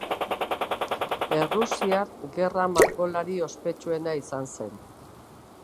Errusiar gerra-margolari ospetsuena izan zen.